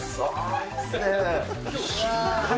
いいですね。